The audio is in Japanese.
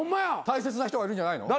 大切な人がいるんじゃないの？